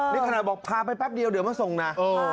นี่ขนาดบอกพาไปแป๊บเดียวเดี๋ยวมาส่งนะ